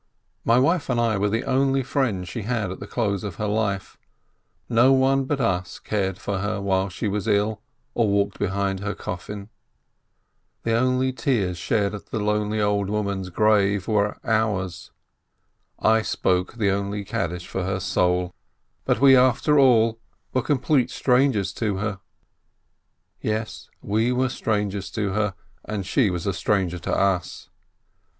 My wife and I were the only friends she had at the close of her life, no one but us cared for her while she was ill, or walked behind her coffin. The only tears shed at the lonely old woman's grave were ours. I spoke the only Kaddish for her soul, but we, after all, were complete strangers to her ! Yes, we were strangers to her, and she was a stranger to us